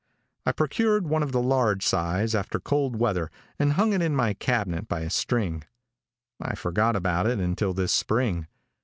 I procured one of the large size after cold weather and hung it in my cabinet by a string. I forgot about it until this spring.